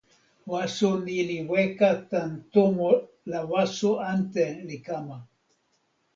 waso ni li weka tan tomo la waso ante li kama.